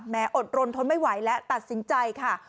อดรนทนไม่ไหวและตัดสินใจค่ะ